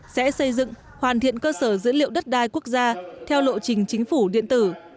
sẽ xây dựng hoàn thiện cơ sở dữ liệu đất đai quốc gia theo lộ trình chính phủ điện tử